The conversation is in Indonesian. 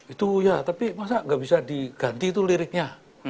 itu ya tapi masa nggak bisa diganti tuh liriknya